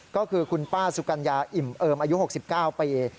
ก็คือคุณป้าสุกัญญาอิ่มเอิมอายุ๖๙ปี